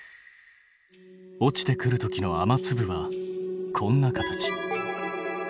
落ちてくる時の雨粒はこんな形。